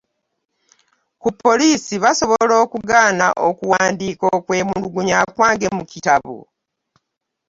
Ku poliisi basobola okugaana okuwandiika okwemulugunya kwange mu kitabo?